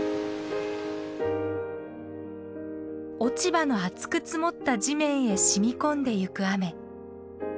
落ち葉の厚く積もった地面へ染み込んでゆく雨。